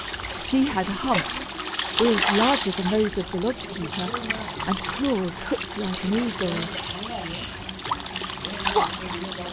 She had a hump, ears larger than those of the lodge keeper, and claws hooked like an eagle's. "What!